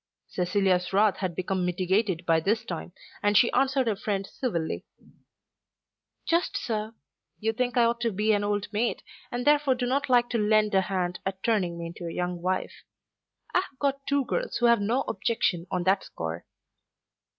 Cecilia's wrath had become mitigated by this time, and she answered her friend civilly. "Just so. You think I ought to be an old maid, and therefore do not like to lend a hand at turning me into a young wife. I have got two girls who have no objection on that score."